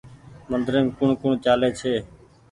مندريم ڪوٚڻ ڪوٚڻ چآلي ڇي